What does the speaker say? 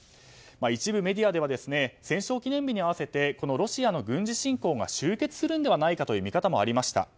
一部メディアでは戦勝記念日に合わせてロシアの軍事侵攻が終結するのではという見方もありました。